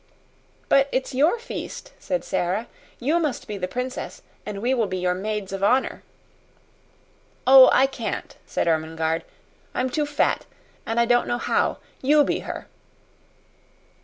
"But it's your feast," said Sara; "you must be the princess, and we will be your maids of honor." "Oh, I can't," said Ermengarde. "I'm too fat, and I don't know how. YOU be her."